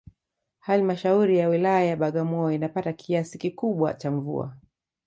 Halmashauri ya Wilaya ya Bagamyo inapata kiasi cha kikubwa cha mvua